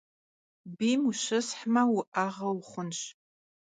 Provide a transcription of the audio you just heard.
Biym vuşıshme, vu'eğe vuxhunş.